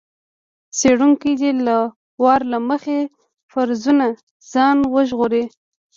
څېړونکی دې له وار له مخکې فرضونو ځان وژغوري.